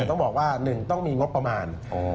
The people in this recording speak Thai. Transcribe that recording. ต้องบอกว่า๑ต้องมีงบประมาณ